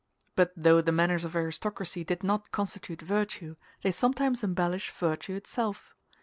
But though the manners of aristocracy did not constitute virtue, they sometimes embellish virtue itself.